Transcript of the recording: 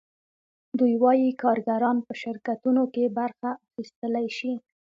دوی وايي کارګران په شرکتونو کې برخه اخیستلی شي